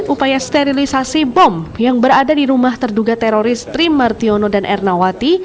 upaya sterilisasi bom yang berada di rumah terduga teroris tri martiono dan ernawati